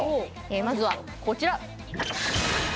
まずはこちら。